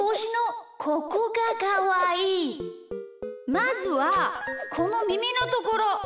まずはこのみみのところ！